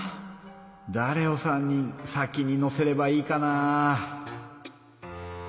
だれを３人先に乗せればいいかな？